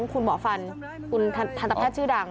คุณหมอฟันคุณทันตแพทย์ชื่อดัง